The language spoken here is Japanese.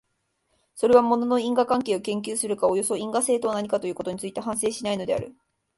それは物の因果関係を研究するか、およそ因果性とは何かということについては反省しないのである。